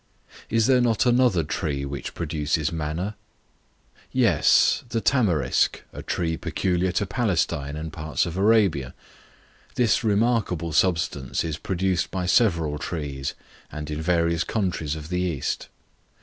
Is there not another tree which produces Manna? Yes: the Tamarisk, a tree peculiar to Palestine and parts of Arabia. This remarkable substance is produced by several trees, and in various countries of the East.